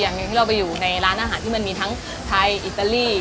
หนั้งร้านอาหารที่มันมีทั้งไทยอิตาลี